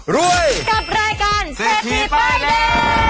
รวยกับรายการเซธีป้ายแยง